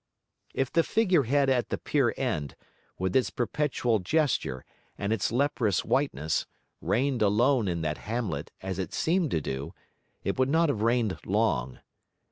If the figure head at the pier end, with its perpetual gesture and its leprous whiteness, reigned alone in that hamlet as it seemed to do, it would not have reigned long.